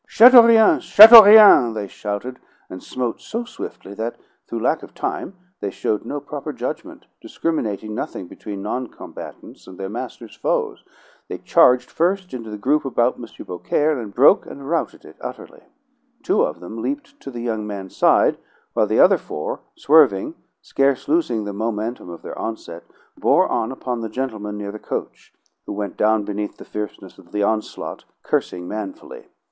"Chateaurien! Chateaurien!" they shouted, and smote so swiftly that, through lack of time, they showed no proper judgment, discriminating nothing between non combatants and their master's foes. They charged first into the group about M. Beaucaire, and broke and routed it utterly. Two of them leaped to the young man's side, while the other four, swerving, scarce losing the momentum of their onset, bore on upon the gentlemen near the coach, who went down beneath the fierceness of the onslaught, cursing manfully.